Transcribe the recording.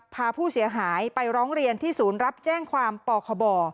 พาผู้เสียหายไปร้องเรียนที่ศูนย์รับแจ้งความปคบ